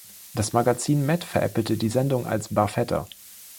Das Magazin „Mad“ veräppelte die Sendung als „Barfetta“.